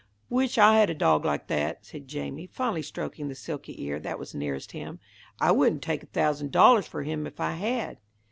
"Wish I had a dog like that," said Jamie, fondly stroking the silky ear that was nearest him. "I wouldn't take a thousand dollars for him if I had."